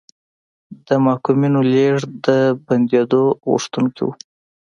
د محکومینو لېږد د بندېدو غوښتونکي وو.